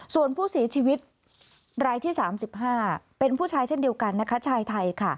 ส่วนผู้เสียชีวิตรายที่๓๕เป็นผู้ชายเช่นเดียวกันนะคะชายไทยค่ะ